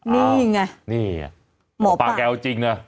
นี่ไงนี่หมอปากแกวจริงนะ